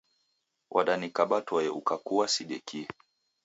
Wadanikaba toe ukakua sidekie